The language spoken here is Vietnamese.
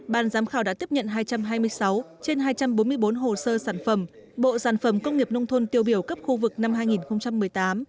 ban giám khảo đã tiếp nhận hai trăm hai mươi sáu trên hai trăm bốn mươi bốn hồ sơ sản phẩm bộ sản phẩm công nghiệp nông thôn tiêu biểu cấp khu vực năm hai nghìn một mươi tám